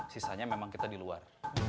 sisanya memang kita di luar